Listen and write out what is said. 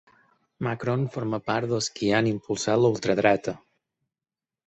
Macron forma part dels qui han impulsat la ultradreta.